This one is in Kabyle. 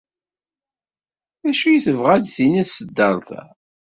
D acu ay tebɣa ad d-tini tṣeddart-a?